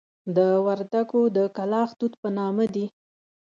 د وردکو د کلاخ توت په نامه دي.